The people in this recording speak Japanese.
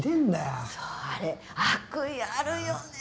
そうあれ悪意あるよね